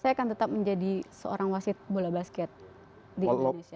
saya akan tetap menjadi seorang wasit bola basket di indonesia